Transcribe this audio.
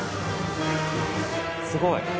すごい！